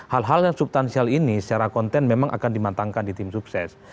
hal hal yang subtansial ini secara konten memang akan dimatangkan di tim sukses